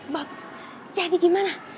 bob jadi gimana